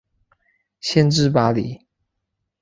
县治巴黎。